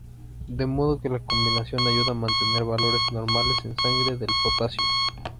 De modo que la combinación ayuda a mantener valores normales en sangre del potasio.